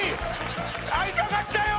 会いたかったよ。